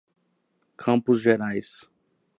Campos Gerais